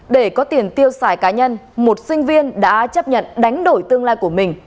để có tiền tiêu xài cá nhân một sinh viên đã chấp nhận đánh đổi tương lai của mình